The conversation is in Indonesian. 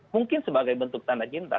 mungkin sebagai bentuk tanda cinta